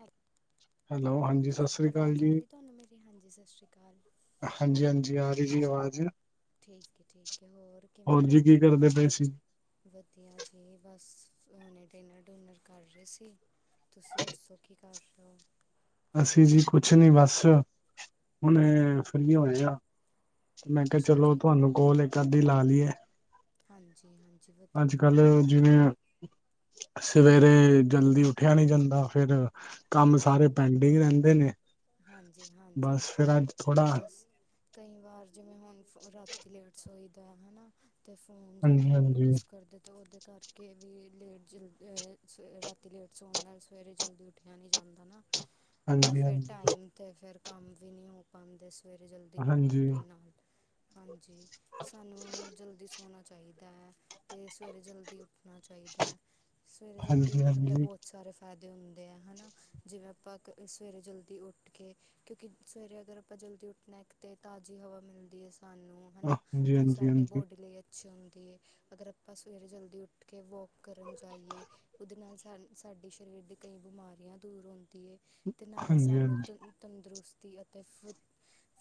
Hello, ਆਵਾਜ਼ ਆ ਰਈ ਤੁਆਨੂੰ ਮੇਰੀ ਹਾਂਜੀ ਸਸ਼ ਸ੍ਰੀ਼ ਕਾਲ। ਹਾਂਜੀ-ਹਾਂਜੀ ਆ ਰਈ ਜੀ ਆਵਾਜ਼। ਠੀਕ ਏ ਠੀਕ ਏ ਹੋਰ ਕਿਵੇਂ ਓ? ਵਧੀਆ ਜੀ ਬਸ ਹੁਣੇ ਡਿਨਰ-ਡੁਨਰ ਕਰ ਰੇ ਸੀ। ਤੁਸੀ ਦੱਸੋ ਕੀ ਕਰ ਰਿਓ? ਅਸੀ ਜੀ ਕੁਛ ਨੀ ਬਸ ਹੁਣੇ ਫਰੀ ਹੋਏ ਆ। ਮੈਂ ਕਿਆ ਚਲੋ ਤੁਹਾਨੂੰ ਕੋਲ ਇੱਕ ਅੱਧੀ ਲਾ ਲੀਏ। ਅੱਜ ਕੱਲ੍ਹ ਜਿਵੇਂ ਸਵੇਰੇ ਜਲਦੀ ਉੱਠਿਆ ਨੀ ਜਾਂਦਾ ਫੇਰ ਕੰਮ ਸਾਰੇ ਪੈਂਨਡਿੰਗ ਰੈਂਦੇ ਨੇ। ਹਾਂਜੀ-ਹਾਂਜੀ ਬਸ ਕਈ ਵਾਰ ਜਿਵੇਂ ਹੁਣ ਫ ਰਾਤੀ ਲੇਟ ਸੋਈ ਦਾ ਹਨਾ ਤੇ ਫੋਨ ਜਾਦਾ ਈ ਯੂਜ ਕਰਦੇ ਤੇ ਓਦੇ ਕਰ ਕੇ ਵੀ ਲੇਟ ਜਲ ਅ ਰਾਤੀ ਲੇਟ ਸੌਣ ਨਾਲ ਸਵੇਰੇ ਜਲਦੀ ਉੱਠਿਆ ਨੀ ਜਾਂਦਾ ਨਾ ਤੇ ਫੇਰ ਟਾਈਮ ਤੇ ਫੇਰ ਕੰਮ ਵੀ ਨੀ ਹੋ ਪਾਂਦੇ ਸ ਵੇਰੇ ਜਲਦੀ ਨਾ ਉੱਠਣ ਨਾਲ ਹਾਂਜੀ ਸਾਨੂੰ ਜਲਦੀ ਸੋਣਾ ਚਾਈਦੈ ਤੇ ਸਵੇਰੇ ਜਲਦੀ ਉੱਠਣਾ ਚਾਈਦੈ ਸਵੇਰੇ ਜਲਦੀ ਉੱਠਣ ਦਾ ਬੋ ਸਾਰੇ ਫੈਦੇ ਹੁੰਦੇ ਆ ਹਨਾ ਜਿਵੇਂ ਆਪਾਂ ਕ ਸਵੇਰੇ ਜਲ ਦੀ ਉੱਠ ਕੇ ਕਿਉਂਕੀ ਸਵੇਰੇ ਅਗਰ ਆਪਾਂ ਜਲਦੀ ਉੱਠਣਾ ਇੱਕ ਤੇ ਤਾਜ਼ੀ ਹਵਾ ਮਿਲਦੀ ਐ ਸਾਨੂੰ ਹਨਾ ਤੇ ਸਾਡੀ ਬੋਡੀ ਲਈ ਅੱਛੇ ਹੁੰਦੀ ਏ ਅਗਰ ਸਵੇਰੇ ਜਲਦੀ ਉੱਠ ਕੇ ਵੋਕ ਕਰਨ ਜਾਈਏ ਉਦੇ ਨਾਲ ਸਾ ਸਾਡੇ ਸਰੀਰ ਦੀ ਕਈ ਬਿਮਾਰੀਆਂ ਦੂਰ ਹੁੰਦੀ ਏ ਤੇ ਨਾਲੇ ਤੰਦਰੁਸਤੀ ਅਤੇ ਫੁ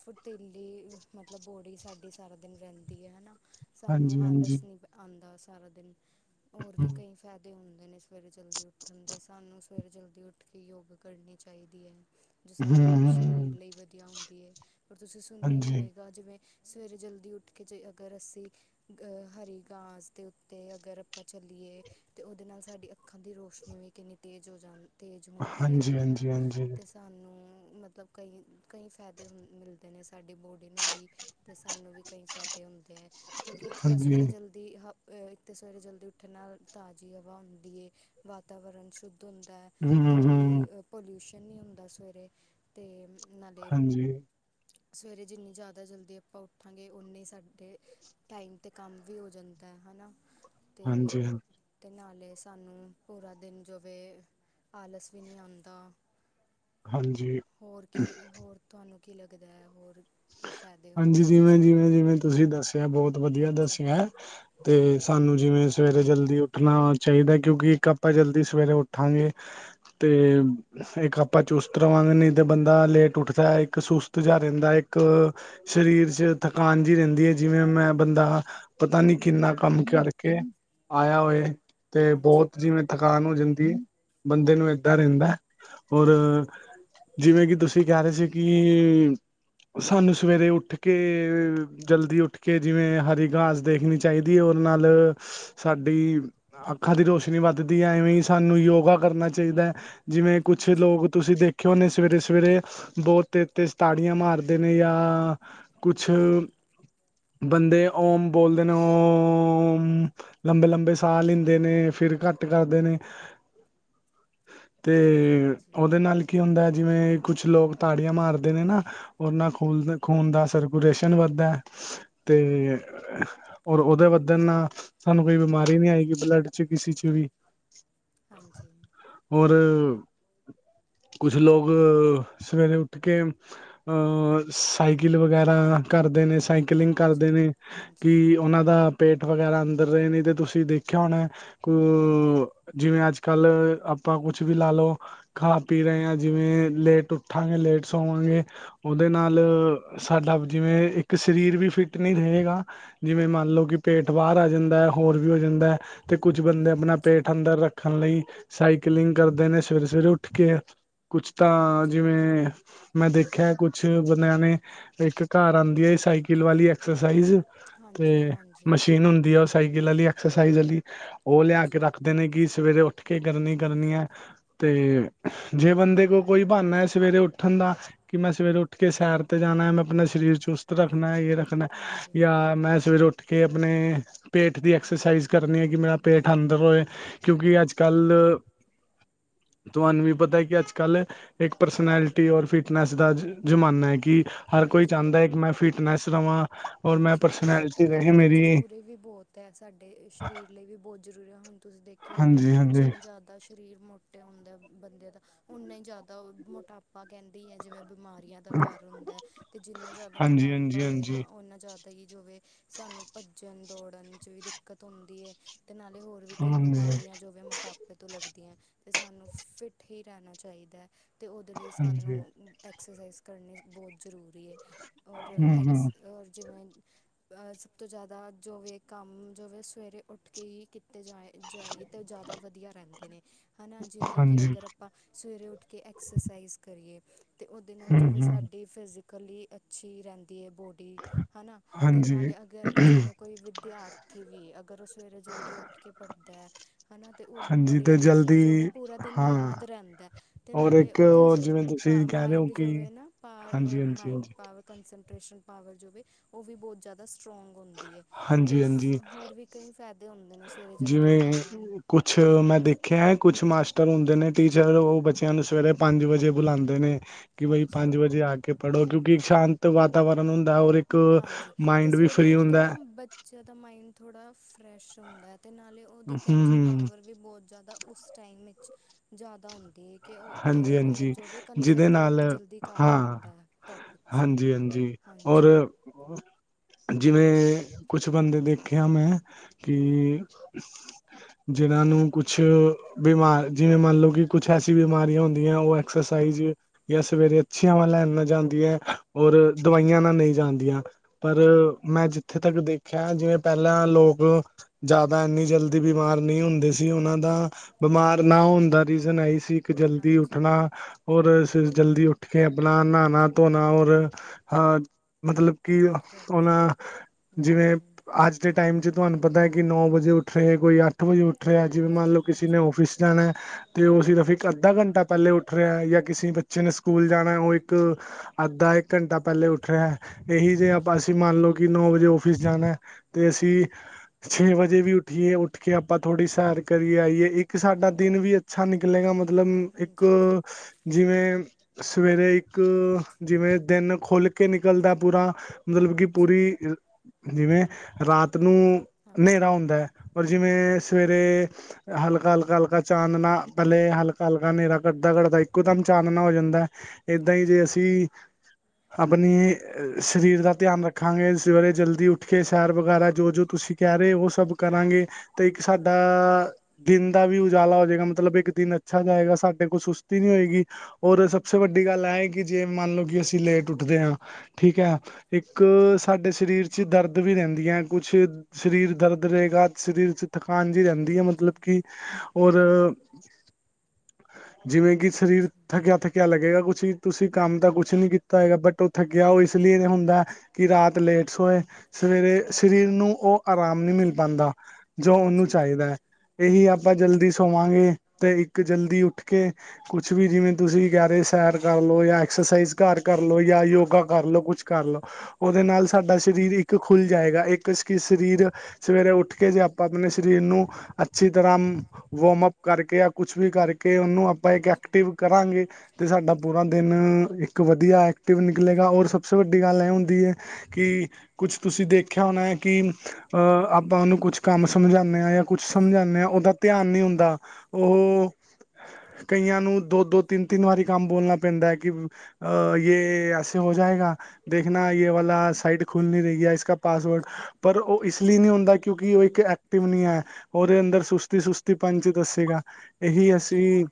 ਫੁਰਤੀਲੀ ਮਤਲਬ ਬੋੜੀ ਸਾਡੀ ਸਾਰਾ ਦਿਨ ਰੈਂਦੀ ਐ ਹਨਾ। ਸਾਨੂੰ ਆਲਸ ਨੀ ਆਂਦਾ ਸਾਰਾ ਦਿਨ ਹੋਰ ਵੀ ਕਈ ਫੈਦੇ ਹੁੰਦੇ ਨੇ ਸਵੇਰੇ ਜਲਦੀ ਉੱਠਣ ਦੇ ਸਾਨੂੰ ਸਵੇਰੇ ਜਲਦੀ ਉੱਠ ਕੇ ਯੋਗਾ ਕਰਨੀ ਚਾਈਦੀ ਐ। ਜੋ ਸਾਡੇ ਸਰੀਰ ਲਈ ਵਧੀਆ ਹੁੰਦੀ ਏ ਪਰ ਤੁਸੀਂ ਸੁਣਿਆ ਈ ਹੋਏਗਾ ਜਿਵੇਂ ਸਵੇਰੇ ਜਲਦੀ ਉੱਠ ਕੇ ਜੇ ਅਗਰ ਅਸੀਂ ਹਰੀ ਗਾਂਸ ਦੇ ਉੱਤੇ ਅਗਰ ਆਪਾਂ ਚੱਲੀਏ ਤੇ ਓਦੇ ਨਾਲ ਸਾਡੀ ਅੱਖਾਂ ਦੀ ਰੋਸ਼ਨੀ ਵੀ ਕਿੰਨੀ ਤੇਜ਼ ਹੋ ਜਾਂ ਤੇਜ਼ ਹੁੰਦੀ ਐ ਹਨਾ। ਤਾਂਨੂੰ ਮਤਲਬ ਕਈ ਕਈ ਫੈਦੇ ਹੁੰ ਮਿਲਦੇ ਨੇ ਸਾਡੀ ਬੋਡੀ ਨੂੰ ਵੀ ਤੇ ਸਾਨੂੰ ਵੀ ਕਈ ਫੈਦੇ ਹੁੰਦੇ ਐ ਕਿਉਂਕੀ ਇੱਕ ਤਾਂ ਸਵੇਰੇ ਜਲ ਦੀ ਹ ਇੱਕ ਤਾਂ ਸਵੇਰੇ ਜਲਦੀ ਉੱਠਣ ਨਾਲ ਤਾਜ਼ੀ ਹਵਾ ਹੁੰਦੀ ਏ, ਵਾਤਾਵਰਨ ਸ਼ੁੱਧ ਹੁੰਦੈ ਕੋਈ ਪੋਲਊਸ਼ਨ ਨੀ ਹੁੰਦਾ ਸਵੇਰੇ ਤੇ ਨਾਲੇ ਸਵੇਰੇ ਜਿੰਨੀ ਜਾਦਾ ਜਲਦੀ ਆਪਾਂ ਉੱਠਾਂਗੇ ਉਨੇ ਈ ਸਾਡੇ ਟਾਈਮ ਤੇ ਕੰਮ ਵੀ ਹੋ ਜਾਂਦੈ ਹਨਾ ਤੇ ਤੇ ਨਾਲੇ ਸਾਨੂੰ ਪੂਰਾ ਦਿਨ ਜੋਵੇ ਆਲਸ ਵੀ ਨੀ ਆਂਦਾ। ਹਾਂਜੀ। ਹੋਰ ਕੀ ਹੋਰ ਤੁਹਾਨੂੰ ਕੀ ਲੱਗਦੈ ਹੋਰ? ਹਾਂਜੀ ਜਿਵੇਂ-ਜਿਵੇਂ-ਜਿਵੇਂ ਤੁਸੀਂ ਦੱਸਿਆ ਬੋਤ ਵਧੀਆ ਦੱਸਿਐ। ਤੇ ਸਾਨੂੰ ਜਿਵੇਂ ਸਵੇਰੇ ਜਲਦੀ ਉੱਠਣਾ ਚਾਈਦੈ ਕਿਉਂਕੀ ਇੱਕ ਆਪਾਂ ਜਲਦੀ ਸਵੇਰੇ ਉੱਠਾਂਗੇ ਤੇ ਇੱਕ ਆਪਾਂ ਚੁਸਤ ਰਵਾਂਗੇ ਨਈ ਤੇ ਬੰਦਾ ਲੇਟ ਉੱਠਦੈ ਇੱਕ ਸੁਸਤ ਜਾ ਰੈਂਦਾ ਏ ਇਕ ਸਰੀਰ ਚ ਥਕਾਨ ਜੀ ਰੈਂਦੀ ਏ ਜਿਵੇਂ ਮੈਂ ਬੰਦਾ ਪਤਾ ਨੀ ਕਿੰਨਾ ਕੰਮ ਕਰਕੇ ਆਇਆ ਹੋਏ ਤੇ ਬੋਤ ਜਿਵੇਂ ਥਕਾਨ ਹੋ ਜਾਂਦੀ ਬੰਦੇ ਨੂੰ ਏਦਾਂ ਰੈਂਦਾ ਔਰ ਜਿਵੇਂ ਕੀ ਤੁਸੀਂ ਕੈ ਰੇ ਸੀ ਕੀ ਸਾਨੂੰ ਸਵੇਰੇ ਉੱਠ ਕੇ ਜਲਦੀ ਉੱਠ ਕੇ ਜਿਵੇਂ ਹਰੀ ਗਾਸ ਦੇਖਣੀ ਚਾਹੀਦੀ ਏ, ਉਹਦੇ ਨਾਲ ਸਾਡੀ ਅੱਖਾਂ ਦੀ ਰੋਸ਼ਨੀ ਵੱਧਦੀ ਐ ਐਵੇਂ ਈ। ਸਾਨੂੰ ਯੋਗਾ ਕਰਨਾ ਚਾਹੀਦਾ ਏ, ਜਿਵੇਂ ਕੁਛ ਲੋਕ ਤੁਸੀਂ ਦੇਖਿਓ ਔਨੇ ਸਵੇਰੇ ਸਵੇਰੇ, ਬਹੁਤ ਤੇਜ਼-ਤੇਜ਼ ਤਾੜੀਆਂ ਮਾਰ ਦੇ ਜਾਂ, ਕੁਛ ਬੰਦੇ ਉਮ ਬੋਲਦੇ ਨੇ ਓਮ ਲੰਬੇ ਲੰਬੇ ਸਾਹ ਲੈਂਦੇ ਨੇ ਫਿਰ ਘੱਟ ਕਰਦੇ ਨੇ। ਤੇ, ਉਹਦੇ ਨਾਲ ਕੀ ਹੁੰਦਾ ਏ ਜਿਵੇਂ ਕੁਛ ਲੋਕ ਤਾੜੀਆਂ ਮਾਰਦੇ ਨੇ ਨਾ। ਉਹ ਨਾਲ ਖੂਨ ਦਾ ਖੂਨ ਦਾ ਸਰਕੂਲੇਸ਼ਨ ਵੱਧਦਾ ਤੇ, ਔਰ ਉਹਦੇ ਵੱਧਣ ਨਾਲ, ਸਾਨੂੰ ਕੋਈ ਬਿਮਾਰੀ ਨੀ ਆਏਗੀ ਬਲੱਡ ਚ ਕਿਸੇ ਚ ਵੀ ਹਾਂਜੀ, ਔਰ, ਕੁਛ ਲੋਕ ਸਵੇਰੇ ਉੱਠ ਕੇ ਅ ਸਾਈਕਲ ਵਗੈਰਾ ਕਰਦੇ ਨੇ ਸਕ ਕਿਲਿੰਗ ਕਰਦੇ ਨੇ, ਕਿ ਉਹਨਾਂ ਦਾ ਪੇਟ ਵਗੈਰਾ ਅੰਦਰ ਰਹੇ ਨੇ ਤੇ ਤੁਸੀਂ ਦੇਖਿਆ ਹੋਣਾ। ਅ, ਜਿਵੇਂ ਅੱਜ ਕੱਲ੍ਹ ਆਪਾਂ ਕੁਛ ਵੀ ਲਾ ਲਓ। ਖਾ ਪੀ ਰੇ ਆ ਜਿਵੇਂ ਲੇਟ ਉੱਠਾਂਗੇ ਲੇਟ ਸੋਵਾਂਗੇ। ਉਹਦੇ ਨਾਲ, ਸਾਡਾ ਜਿਵੇਂ ਇੱਕ ਸਰੀਰ ਵੀ ਫਿੱਟ ਨੀ ਰਏਗਾ। ਜਿਵੇਂ ਮੰਨ ਲਓ ਕਿ ਪੇਟ ਬਾਰ ਆ ਜਾਂਦਾ ਐ ਹੋਰ ਵੀ ਹੋ ਜਾਂਦਾ ਐ ਤੇ ਕੁੱਝ ਬੰਦੇ ਆਪਣਾ ਪੇਟ ਅੰਦਰ ਰੱਖਣ ਲਈ ਸਾਈਕਲਿੰਗ ਕਰਦੇ ਨੇ ਸਵੇਰੇ ਸਵੇਰੇ ਉੱਠ ਕੇ, ਕੁਛ ਤਾਂ ਜਿਵੇਂ ਮੈਂ ਦੇਖਿਆ ਕੁਛ ਬੰਦਿਆਂ ਨੇ ਇੱਕ ਘਰ ਆਦੀ ਏ ਸਾਈਕਲ ਵਾਲੀ ਐਕਸ ਸਾਈਜ਼ ਤੇ, ਮਸ਼ੀਨ ਹੁੰਦੀ ਐ ਉਹ ਸਾਈਕਲ ਆਲੀ ਐਕਸ ਸਾਈਜ਼ ਆਲੀ ਉਹ ਲਿਆ ਕੇ ਰੱਖਦੇ ਨੇ ਕਿ ਸਵੇਰੇ ਉੱਠ ਕੇ ਕਰਨੀ ਕਰਨੀ ਐ ਤੇ, ਜੇ ਬੰਦੇ ਕੋਲ ਕੋਈ ਬਾਨਾ ਐ ਸਵੇਰੇ ਉੱਠਣ ਦਾ ਕਿ ਮੈਂ ਸਵੇਰੇ ਉੱਠ ਉੱਠ ਕੇ ਸੈਰ ਤੇ ਜਾਣਾ ਐ ਮੈਂ ਆਪਣਾ ਸਰੀਰ ਚੁਸਤ ਰੱਖਣਾ ਇਹ ਰੱਖਣਾ ਯਾ ਮੈਂ ਸਵੇਰੇ ਉੱਠ ਉੱਠ ਕੇ ਆਪਣੇ ਪੇਟ ਦੀ ਐਕਸਾਈਜ਼ ਕਰਨੀ ਐ ਕਿ ਮੇਰਾ ਪੇਟ ਅੰਦਰ ਹੋਏ। ਕਿਉਂਕਿ ਅੱਜ ਕੱਲ੍ਹ ਤੁਹਾਨੂੰ ਵੀ ਪਤਾ ਕਿ ਅੱਜ-ਕੱਲ੍ਹ ਇੱਕ ਪਰਸਨੈਲਿਟੀ ਔਰ ਫਿਟਨੈਸ ਦਾ ਜ਼ਮਾਨਾ ਐ ਕੀ ਹਰ ਕੋਈ ਚਾਹੁੰਦਾ ਐ ਕਿ ਮੈਂ ਫਿਟਨੈਸ ਰਵਾਂ। ਹਾਂਜੀ ਤੇ ਫਿੱਟ ਹੋਣਾ ਜ਼ਰੂਰੀ ਵੀ ਬਹੁਤ ਐ ਸਾਡੇ ਸਰੀਰ ਲਈ ਵੀ ਬਹੁਤ ਜ਼ਰੂਰੀ ਐ ਹੁਣ ਤੁਸੀਂ ਦੇਖ ਕੀ ਉਹਨੇ, ਜਿੰਨੇ ਜ਼ਿਆਦਾ ਸਰੀਰ ਮੋ ਹੁੰਦੇ ਬੰਦੇ ਦਾ, ਉਨ੍ਹੇ ਈ ਜ਼ਿਆਦਾ ਮੋਟਾਪਾ ਕਹਿੰਦੀ ਐ ਜਿਵੇਂ ਬਿਮਾਰੀਆਂ ਦਾ ਘਰ ਹੁੰਦਾ ਐ ਤੇ ਜਿੰਨਾ ਜ਼ਿਆਦਾ ਮੋਟਾਪਾ ਹੋਏਗਾ। ਉਹਨਾਂ ਜ਼ਿਆਦਾ ਈ ਜੋਵੇ ਸਾਨੂੰ ਭੱਜਣ ਦੌੜਨ 'ਚ ਵੀ ਦਿੱਕਤ ਆਉਂਦੀ ਐ। ਤੇ ਨਾਲੇ ਹੋਰ ਵੀ ਕਈ ਬਿਮਾਰੀਆਂ ਜੋ ਵੀ ਮੋਟਾਪ ਪੇ ਤੋ ਲੱਗਦੀਆ ਤੇ ਸਾਨੂੰ ਫਿੱਟ ਈ ਰਹਿਣਾ ਚਾਹੀਦਾ ਤੇ ਉਹਦੇ ਲਈ ਸਾਨੂੰ ਐਕਸਰਸਾਈਜ਼ ਕਰਨੀ ਬਹੁਤ ਜ਼ਰੂਰੀ ਐ ਪਰ ਐਕਸ ਔਰ ਜਿਵੇਂ ਸਭ ਤੋਂ ਜ਼ਿਆਦਾ ਜੋਵੇ ਕੰਮ ਜੋਵੇ ਸਵੇਰੇ ਉੱਠ ਕੇ ਈ ਕੀਤੇ ਜਾਏ। ਜਾਈਏ ਤਾਂ ਉਹ ਜ਼ਿਆਦਾ ਵਧੀਆ ਰਹਿੰਦੇ ਨੇ ਹਨਾ ਜਿਵੇਂ ਕਿ ਅਗਰ ਆਪਾ ਸਵੇਰੇ ਉੱਠ ਕੇ ਐਕਸਰਸਾਈਜ਼ ਕਰੀਏ, ਤੇ ਉਹਦੇ ਨਾਲ ਜਦੋਂ ਸਾਡੀ ਫਿਜ਼ੀਕਲੀ ਅੱਛੀ ਰਹਿੰਦੀ ਐ ਬੋਡੀ ਹਨਾ ਤੇ ਨਾਲੇ ਅਗਰ ਜਿਵੇਂ ਕੋਈ ਵਿਦਿਆਰਥੀ ਵੀ ਐ ਅਗਰ ਉਹ ਸਵੇਰੇ ਜਲਦੀ ਉੱਠ ਕੇ ਪੜ੍ਹਦਾ ਹਨਾ ਤੇ ਉਹਨੂੰ ਪੜ੍ਹਿਆ ਲਿਖਿਆ ਜੋ ਵੀ ਪੂਰਾ ਦਿਨ ਯਾਦ ਰਹਿੰਦਾ, ਤੇ ਨਾਲੇ ਉਹਦੀ ਪਾ ਮਾਇਂਡ ਜੋ ਵੇ ਨਾ ਪਾ ਮਾਇਂਡ ਪਾਵਰ ਕੰਸਲਟੇਸ਼ਨ ਜੋ ਵੇ ਉਹ ਵੀ ਬੋਤ ਜ਼ਿਆਦਾ ਸਟਰੋਂਗ ਹੁੰਦੀ ਐ, ਤੇ ਸ ਹੋਰ ਵੀ ਕਈ ਫਾਇਦੇ ਹੁੰਦੇ ਨੇ ਸਵੇਰੇ ਜਲਦੀ ਉੱਠਣ ਨਾਲ ਕੁਛ ਮੈਂ ਦੇਖਿਆ ਐ, ਕੁਛ ਮਾਸਟਰ ਹੁੰਦੇ ਨੇ ਟੀਚਰ ਉਹ ਬੱਚਿਆਂ ਨੂੰ ਸਵੇਰੇ ਪੰਜ ਵਜੇ ਬੁਲਾਂਦੇ ਨੇ ਕਿ ਬਈ ਪੰਜ ਵਜੇ ਆ ਕੇ ਪੜ੍ਹੋ ਕਿਉਂਕਿ ਇੱਕ ਸ਼ਾਂਤ ਵਾਤਾਵਰਨ ਹੁੰਦਾ ਔਰ ਇ ਹਾਂਜੀ ਤੇ ਸਵੇਰੇ ਉੱਠ ਕੇ ਨਾ ਬੱ ਚੇ ਦਾ ਮਾਈਡ ਥੋੜ੍ਹਾ ਫਰੈਸ਼ ਹੁੰਦਾ ਤੇ ਨਾਲੇ ਉਹਦੀ ਕੈਚਿੰਗ ਪਾਵਰ ਵੀ ਬੋਤ ਜਿਆਦਾ ਉਸ ਟਾਈਮ ਵਿੱਚ ਜ਼ਿਆਦਾ ਹੁੰਦੀ ਏ ਕਿ ਉਹ ਮਤਲਬ ਜੋ ਵੀ ਕੰਨਸਟਰੇਟ ਜਲਦੀ ਕਰ ਪਾਂਦਾ ਏ ਟੋਪਿਕਸ ਤੇ ਹਾਂ [unintelligible] ਜਿਵੇਂ ਕੁਛ ਬੰਦੇ ਦੇਖਿਆ ਮੈਂ ਕਿ ਜਿਨਾ ਨੂੰ ਕੁਛ ਬਿਮਾਰ ਜਿਵੇਂ ਮੰਨ ਲਓ ਕਿ ਕੁਛ ਹ ਦੀ ਬਿਮਾਰੀਆਂ ਹੁੰਦੀਆਂ ਉਹ ਐਕਸਰਸਾਈਜ਼ ਜਾਂ ਸਵੇਰੇ ਅੱਛੀਆਂ ਹਵਾ ਲੈਣ ਜਾਦੀ ਐ। ਔਰ ਦਵਾਈਆਂ ਨਾਲ ਨਈ ਜਾਂਦੀਆਂ ਪਰ ਮੈਂ ਜ ਜਿੱਥੇ ਤੱਕ ਦੇਖਿਆ ਜਿਵੇਂ ਪਹਿਲਾਂ ਲੋਕ ਜ਼ਿਆਦਾ ਇੰਨੀ ਜਲਦੀ ਬਿਮਾਰ ਨਹੀਂ ਹੁੰਦੇ ਸੀ ਉਨਾਂ ਦਾ ਬਿਮਾਰ ਨਾ ਹੋਣ ਦਾ ਰੀਜ਼ਨ ਐਹੀ ਸੀ। ਕਿ ਜਲਦੀ ਉੱਠਣਾ ਔਰ ਸਵੇਰ ਜਲਦੀ ਉੱਠ ਕੇ ਆਪਣਾ ਨਾਣਾ ਧੋਣਾ ਔਰ ਹਾ ਮਤਲਬ ਕਿ ਹੁਣ ਜਿਵੇਂ ਅੱਜ ਦੇ ਟਾਈਮ ਚ ਤੁਹਾਨੂੰ ਪਤਾ ਏ ਕਿ ਨੌ ਵਜੇ ਉੱਠ ਰਹੇ ਕੋਈ ਅੱਠ ਵਜੇ ਉੱਠ ਰਿਹਾ ਜਿਵੇਂ ਮੰਨ ਲਓ ਕਿਸੇ ਨੇ ਔਫਿਸ ਜਾਣਾ ਤੇ ਉਹ ਸਿਧਾ ਫਿ ਅੱਧਾ ਘੰਟਾ ਪਹਿਲਾਂ ਉੱਠ ਰਿਹਾ ਜਾਂ ਕਿਸੇ ਬੱਚੇ ਨੇ ਸਕੂਲ ਜਾਣਾ ਉਹ ਇੱਕ ਅੱਧਾ ਇੱਕ ਘੰਟਾ ਪਹਿਲੇ ਉੱਠ ਰਿਹਾ ਏਹੀ ਜੇ ਆਪਾ ਅਸੀ ਮੰਨ ਲਓ ਕਿ ਨੌ ਵਜੇ ਔਫਿਸ ਜਾਣਾ ਤੇ ਅਸੀ ਛੇ ਵਜੇ ਵੀ ਉੱਠੀਏ ਉੱਠ ਕੇ ਆਪਾਂ ਥੋੜੀ ਸੈਰ ਕਰੀਏ ਆਈਏ ਇੱਕ ਸਾਡਾ ਦਿਨ ਵੀ ਅੱਛਾ ਨਿਕਲੇਗਾ ਮਤਲਬ ਮਤਲਮ ਇੱਕ ਜਿਵੇਂ ਸਵੇਰੇ ਇੱਕ ਜਿਵੇਂ ਦਿਨ ਖੁੱਲ ਕੇ ਨਿਕਲਦਾ ਪੂਰਾ ਮਤਲਬ ਕਿ ਪੂਰੀ ਜਿਵੇਂ ਰਾਤ ਨੂੰ ਨੇਰਾ ਹੁੰਦਾ ਐ ਪਰ ਜਿਵੇਂ ਸਵੇਰੇ ਹਲਕਾ-ਹਲਕਾ ਹਲਕਾ ਚਾਨਣਾ ਪਹਿਲੇ ਹਲਕ ਹਲਕਾ ਨੇਰਾ ਕੱਢਦਾ ਕੱਢਦਾ ਇੱਕੋ ਦਮ ਚਾਨਣਾ ਹੋ ਜਾਂਦਾ ਏਦਾਂ ਹੀ ਜੇ ਅਸੀ ਆਪਣੀ ਸਰੀਰ ਦਾ ਧਿਆਨ ਰੱਖਾਂਗੇ ਸਵੇਰੇ ਜਲਦੀ ਉੱਠ ਕੇ ਸੈਰ ਵਗੈਰਾ ਜੋ ਜੋ ਤੁਸੀਂ ਕਹਿ ਰੇ ਉਹ ਸਭ ਕਰਾਂਗੇ ਤੇ ਇੱਕ ਸਾਡਾ ਦਿਨ ਦਾ ਵੀ ਉਜਾਲਾ ਹੋ ਜਾਏਗਾ ਮਤਲਬ ਇੱਕ ਦਿਨ ਅੱਛਾ ਜਾਏਗਾ ਸਾਡੇ ਕੋਲ ਸੁਸਤੀ ਨੀਂ ਹੋਏਗੀ। ਔਰ ਸਭ ਸੇ ਵੱਡੀ ਗੱਲ ਐ ਕੇ ਕਿ ਜੇ ਮੰਨ ਲਓ ਕਿ ਅਸੀਂ ਲੇਟ ਉੱਠਦੇ ਆ ਠੀਕ ਐ ਇੱਕ ਸਾਡੇ ਸਰੀਰ ਚ ਦਰਦ ਵੀ ਰਹਿੰਦੀਆ ਕੁਛ ਸਰੀਰ ਦਰਦ ਰਹੇਗਾ ਸਰੀਰ ਚ ਥਕਾਨ ਜਿ ਰਹਿੰਦੀ ਏ ਮਤਲਬ ਕਿ ਔਰ ਜਿਵੇਂ ਕਿ ਸਰੀਰ ਥੱਕਿਆ ਥੱਕਿਆ ਲੱਗੇਗਾ ਕੁਛ ਤੁਸੀਂ ਕੰਮ ਤਾਂ ਕੁਛ ਨੀ ਕੀਤਾ ਹੈਗਾ ਬਟ ਥੱਕਿਆ ਉਹ ਇਸ ਲਈਏ ਹੁੰਦਾ ਕਿ ਰਾਤ ਲੇਟ ਸੋਏ ਸਵੇਰੇ ਸਰੀਰ ਨੂੰ ਉਹ ਆਰਾਮ ਨੀਂ ਮਿਲ ਪਾਂਦਾ ਜੋ ਉਹਨੂੰ ਚਾਹੀਦਾ ਏ। ਏਹੀ ਆਪਾਂ ਜਲਦੀ ਸੋਵਾਂਗੇ ਤੇ ਇੱਕ ਜਲਦੀ ਉੱਠ ਕੇ ਕੁਛ ਵੀ ਜਿਵੇਂ ਤੁਸੀਂ ਜਾ ਰੇ ਸੈਰ ਕਰ ਲਓ ਜਾਂ ਐਕਸਰਸਾਈਜ਼ ਘਰ ਕਰ ਲਓ ਜਾਂ ਯੋਗਾ ਕਰ ਲਓ ਕੁਛ ਕਰ ਲਓ ਉਹਦੇ ਨਾਲ ਸਾਡਾ ਸਰੀਰ ਇੱਕ ਖੁੱਲ ਜਾਏਗਾ ਇੱਕ ਕਿਸ ਕੀ ਸਰੀਰ ਸਵੇਰੇ ਉੱਠ ਕੇ ਜੇ ਆਪਾਂ ਆਪਣੇ ਸਰੀਰ ਨੂੰ ਅੱਛੀ ਤਰ੍ਹਾਂ ਵੋਮਅਪ ਕਰਕੇ ਜਾਂ ਕੁਛ ਵੀ ਕਰ ਕੇ ਉਹਨੂੰ ਆਪਾਂ ਇੱਕ ਐਕਟਿਵ ਕਰਾਂਗੇ। ਤੇ ਸਾਡਾ ਪੂਰਾ ਦਿਨ ਇੱਕ ਵਧੀਆ ਐਕਟਿਵ ਨਿਕਲੇਗਾ ਔਰ ਸਭ ਸੇ ਵੱਡੀ ਗੱਲ ਐਹ ਹੁੰਦੀ ਐ ਕਿ ਕੁਛ ਤੁਸੀਂ ਦੇਖਿਆ ਹੋਣਾ ਏ ਕਿ ਅਹ ਆਪਾਂ ਉਹਨੂੰ ਕੁਛ ਕੰਮ ਸਮਝਾਉਂਦੇ ਹਾਂ ਜਾਂ ਕੁਛ ਸਮਝਾਉਂਦੇ ਹਾਂ ਉਹਦਾ ਧਿਆਨ ਨੀ ਹੁੰਦਾ। ਉਹ ਕਈਆਂ ਨੂੰ ਦੋ ਦੋ ਤਿੰਨ ਤਿੰਨ ਵਾਰੀ ਕੰਮ ਬੋਲਣਾ ਪੈਂਦਾ ਹੈ ਕਿ ਅ ਯ ਐਸੇ ਹੋ ਜਾਏਗਾ ਦੇਖਣਾ ਯਹ ਵਾਲਾ ਸਾਈਡ ਖੁੱਲ ਨਹੀਂ ਰਹੀ ਹੈ ਇਸਕਾ ਪਾਸਵਰਡ ਪਰ ਉਹ ਇਸ ਲਈ ਨਹੀਂ ਹੁੰਦਾ ਕਿਉਂਕਿ ਉਹ ਐਕਟਿਵ ਨੀ ਆ। ਉਹਦੇ ਅੰਦਰ ਸੁਸਤੀ ਸੁਸਤੀ ਪੰਚ ਦੱਸੇਗਾ। ਇਹੀ ਅਸੀਂ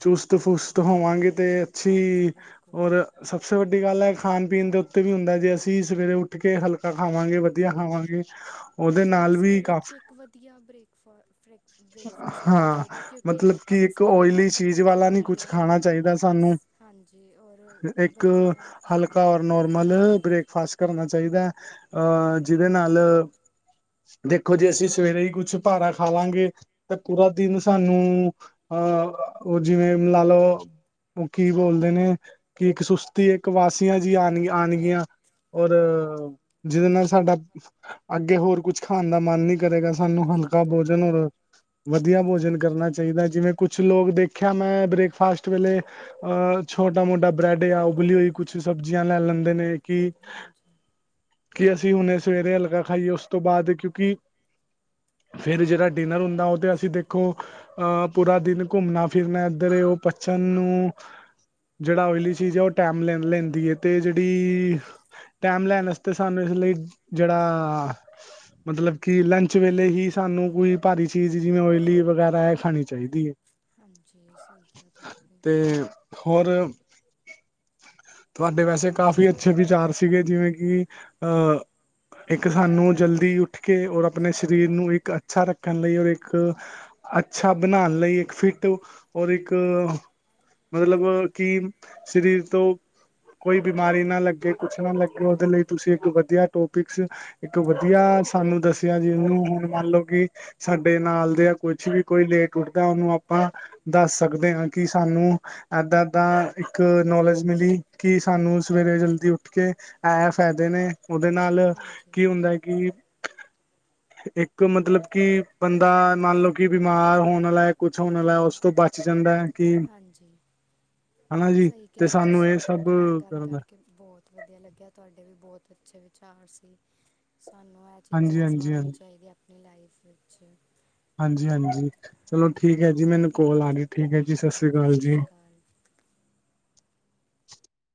ਚੁਸਤ ਫੁਸਤ ਹੋਵਾਂਗੇ ਤੇ ਅੱਛੀ ਔਰ ਸਭ ਸੇ ਵੱਡੀ ਗੱਲ ਹੈ ਖਾਣ ਪੀਣ ਦੇ ਉੱਤੇ ਵੀ ਹੁੰਦਾ ਜੇ ਅਸੀਂ ਸਵੇਰੇ ਉੱਠ ਕੇ ਹਲ ਹਾਂਜੀ ਜਿਵੇਂ ਸਵੇਰੇ ਉੱਠ ਕੇ ਇੱਕ ਵਧੀਆ ਬ੍ਰੇਕਫਾ ਬ੍ਰੇਕ ਬ੍ਰੇਕਫਾਸਟ ਲੈਣਾ ਚਾਹੀਦਾ ਕਿਉਂਕਿ ਆਪਾਂ ਸਾਰੀ ਰਾਤ ਭੁੱਖੇ ਹੁੰਦੇ ਹਨਾ ਹਾਂਜੀ ਔਰ ਵਧੀਆ ਨੋਰਮਲ ਬ੍ਰੇਕਫਾਸਟ ਕਰਨਾ ਚਾਹੀਦਾ ਅ ਜਿਹਦੇ ਨਾਲ ਦੇਖੋ ਜੀ ਅਸੀਂ ਸਵੇਰੇ ਹੀ ਕੁੱਛ ਭਾਰਾਂ ਖਾਵਾਂਗੇ। ਪੂਰਾ ਦਿਨ ਸਾਨੂੰ ਅਹ ਉਹ ਜਿਵੇਂ ਲਾ ਲਓ। ਉਹ ਕੀ ਬੋਲਦੇ ਨੇ ਕਿ ਇੱਕ ਸੁਸਤੀ ਇੱਕ ਵਾਸੀਆਂ ਜੀ ਆਣ ਆਣਗੀਆਂ। ਔਰ ਜਿਹਦੇ ਨਾਲ ਸਾਡਾ ਅੱਗੇ ਹੋਰ ਕੁਛ ਖਾਣ ਦਾ ਮਨ ਨੀ ਕਰੇਗਾ ਸਾਨੂੰ ਹਲਕਾ ਭੋਜਨ ਔਰ ਵਧੀਆ ਭੋਜਨ ਕਰਨਾ ਚਾਹੀਦਾ ਜਿਵੇਂ ਕੁਛ ਲੋਕ ਦੇਖਿਆ ਮੈਂ ਬ੍ਰੇਕਫਾਸਟ ਵੇਲੇ ਅਹ ਛੋਟਾ ਮੋਟਾ ਬ੍ਰੈਡ ਜਾਂ ਉਬਲੀ ਹੋਈ ਕੁਛ ਸਬਜ਼ੀਆਂ ਲੈ ਲੈਂਦੇ ਨੇ ਕਿ ਹਾਂਜੀ ਕਿ ਅਸੀਂ ਹੁਣੇ ਸਵੇਰੇ ਹਲਕਾ ਖਾਈਏ ਉਸ ਤੋਂ ਬਾਅਦ ਕਿਉਂਕਿ ਫਿਰ ਜਿਹਾ ਡਿਨਰ ਹੁੰਦਾ ਉਹ ਤੇ ਅਸੀਂ ਦੇਖੋ ਅਹ ਪੂਰਾ ਦਿਨ ਘੁੰਮਣਾ ਫਿਰਨਾ ਇੱਧਰ ਪਚਨ ਨੂੰ ਜਿਹੜਾ ਉਲੀ ਚੀਜ਼ ਆ ਉਹ ਟੈਮ ਲੈ ਲੈਂਦੀਆ ਤੇ ਜਿਹੜੀ ਟਾਈਮ ਲੈਣ ਵਾਸਤੇ ਸਾਨੂੰ ਇਸ ਲਈ ਜਿਹੜਾ ਮਤਲਬ ਕਿ ਲੰਚ ਵੇਲੇ ਹੀ ਸਾਨੂੰ ਕੋਈ ਭਾਰੀ ਚੀਜ਼। ਜਿਵੇਂ ਓਲੀ ਵਗੈਰਾ ਇਹ ਖਾਣੀ ਚਾਹੀਦੀ ਹੈ। ਹਾਂਜੀ ਸਹੀ ਕਿਹਾ ਤੁਸੀਂ ਵੀ। [unintelligible] ਹੋਰ। ਤੁਹਾਡੇ ਵੈਸੇ ਕਾਫੀ ਅੱਛੇ ਵਿਚਾਰ ਸੀਗੇ ਜਿਵੇਂ ਕਿ ਅਹ ਇੱਕ ਸਾਨੂੰ ਜਲਦੀ ਉੱਠ ਕੇ ਔਰ ਆਪਣੇ ਸਰੀਰ ਨੂੰ ਇੱਕ ਅੱਛਾ ਰੱਖਣ ਲਈ ਇੱਕ। ਇੱਕ ਅੱਛਾ ਬਣਾਉਣ ਲਈ ਇੱਕ ਫਿਟ ਔਰ ਇੱਕ। ਮਤਲਬ ਕਿ ਸਰੀਰ ਤੋਂ ਕੋਈ ਬਿਮਾਰੀ ਨਾ ਲੱਗੇ। ਪੁੱਛਣ ਲੱਗੇ ਉਹਦੇ ਲਈ ਤੁਸੀਂ ਇੱਕ ਵਧੀਆ ਟੋਪਿਕਸ ਇੱਕ ਵਧੀਆ ਸਾਨੂੰ ਦੱਸ। ਜਿਹਨੂੰ ਹੁਣ ਮੰਨ ਲਓ ਕਿ ਸਾਡੇ ਨਾਲ ਦੇ ਆ ਕੁਛ ਵੀ ਕੋਈ ਲੇਟ ਉੱਠਦਾ ਉਹਨੂੰ ਆਪਾ। ਦੱਸ ਸਕਦੇ ਹਾਂ ਕਿ ਸਾਨੂੰ। ਇਦਾਂ- ਇਦਾਂ ਇੱਕ ਨੌਲੇਜ ਮਿਲੀ ਕਿ ਸਾਨੂੰ ਸਵੇਰੇ ਜਲਦੀ ਉੱਠ ਕੇ। ਐ ਫਾਇਦੇ ਨੇ। ਉਹਦੇ ਨਾਲ ਕੀ ਹੁੰਦਾ ਹੈ ਕਿ ਇੱਕ ਮਤਲਬ ਕਿ। ਬੰਦਾ ਮੰਨ ਲਓ, ਕਿ ਬਿਮਾਰ ਹੋਣ ਆਲਾ ਹੈ ਕੁਛ ਹੋਣ ਵਾਲਾ ਉਸ ਤੋਂ ਬਚ ਜਾਂਦਾ ਹੈ। ਹਾਂਜੀ ਸਹੀ ਕਿਹਾ ਤੁਸੀਂ ਤੁਹਾਡੇ ਨਾਲ ਗੱਲ ਕਰਕੇ। ਬਹੁਤ ਵਧੀਆ ਲੱਗਿਆ ਤੁਹਾਡੇ ਵੀ ਬਹੁਤ ਅੱਛੇ ਵਿਚਾਰ ਸੀ। ਸਾਨੂੰ ਐ ਚੀਜ਼ਾ ਅਜ਼ਮਾਣੀ ਚਾਹੀਦੀ ਆ ਆਪਣੀ ਲਾਈਫ਼ ਵਿੱਚ। ਹਾਂਜੀ ਹਾਂਜੀ ਚਲੋ ਠੀਕ ਹੈ ਜੀ ਮੈਨੂੰ ਕੋਲ ਆ ਗਈ ਠੀਕ ਆ ਜੀ ਸਤਿ ਸ਼੍ਰੀ ਅਕਾਲ।